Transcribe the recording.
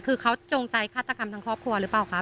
คือเขาจงใจฆาตกรรมทางครอบครัวหรือเปล่าคะ